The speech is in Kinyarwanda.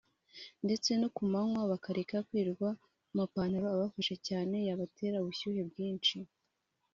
ndetse no ku manywa bakareka kwirirwa mu mapantalo abafashe cyane yabatera ubushyuhe bwinshi